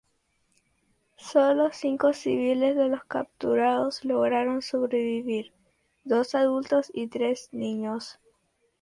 Solo cinco civiles, de los capturados, lograron sobrevivir: dos adultos y tres niños.